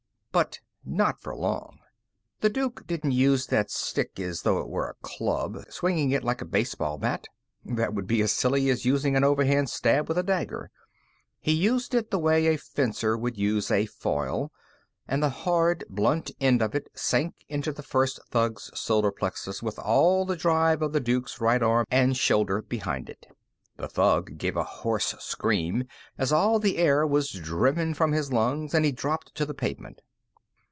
But not for long. The Duke didn't use that stick as though it were a club, swinging it like a baseball bat. That would be as silly as using an overhand stab with a dagger. He used it the way a fencer would use a foil, and the hard, blunt end of it sank into the first thug's solar plexus with all the drive of the Duke's right arm and shoulder behind it. The thug gave a hoarse scream as all the air was driven from his lungs, and he dropped to the pavement.